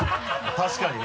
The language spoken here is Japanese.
確かにね。